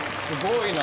すごい！